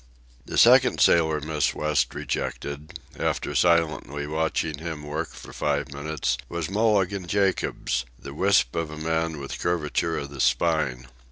The second sailor Miss West rejected, after silently watching him work for five minutes, was Mulligan Jacobs, the wisp of a man with curvature of the spine.